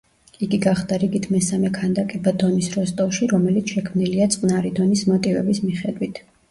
იგი გახდა რიგით მესამე ქანდაკება დონის როსტოვში რომელიც შექმნილია წყნარი დონის მოტივების მიხედვით.